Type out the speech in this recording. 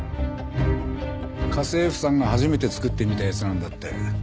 家政婦さんが初めて作ってみたやつなんだって。